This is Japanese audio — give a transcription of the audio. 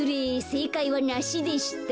せいかいはナシでした。